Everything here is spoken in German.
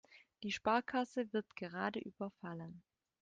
Die Sparkasse wird gerade überfallen.